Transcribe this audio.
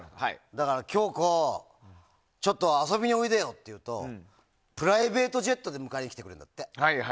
恭子、ちょっと遊びにおいでよっていうとプライベートジェットで迎えに来てくれるんだって。